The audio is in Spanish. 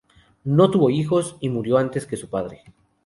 No tuvo hijos, y murió antes que su padre.